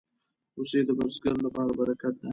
وزې د بزګر لپاره برکت ده